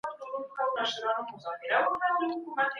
لويې جرګي به د هېواد تاريخي دښمنۍ پای ته رسولي وي.